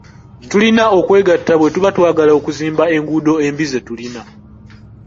Tulina okwegata bwetuba twagala okuzimba enguudo embi ze tulina,